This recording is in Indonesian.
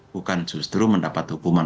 bukan justru mendapat hukuman